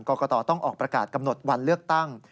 กรกตต้องออกประกาศกำหนดวันเลือกตั้ง